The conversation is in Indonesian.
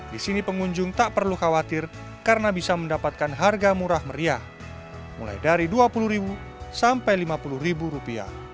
di sini pengunjung tak perlu khawatir karena bisa mendapatkan harga murah meriah mulai dari rp dua puluh sampai rp lima puluh